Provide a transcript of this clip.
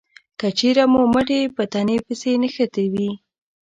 که چېرې مو مټې په تنې پسې نښتې وي